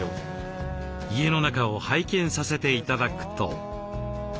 家の中を拝見させて頂くと。